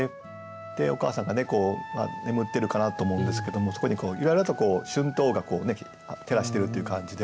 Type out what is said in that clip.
でお母さんがね眠ってるかなと思うんですけどもそこにゆらゆらと春灯が照らしてるという感じで。